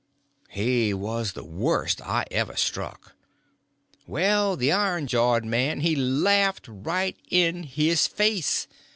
He was the worst I ever struck. Well, the iron jawed man he laughed right in his face.